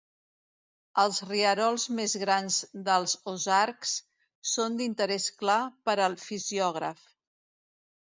Els rierols més grans dels Ozarks són d'interès clar per al fisiògraf.